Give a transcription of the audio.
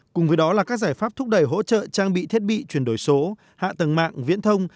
cùng với đó là các giải pháp thúc đẩy hỗ trợ trang bị thiết bị chuyển đổi số hạ tầng mạng viễn thông